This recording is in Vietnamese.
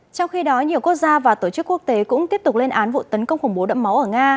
trong khi đó nhiều quốc gia và tổ chức quốc tế cũng tiếp tục lên án vụ tấn công khủng bố đẫm máu ở nga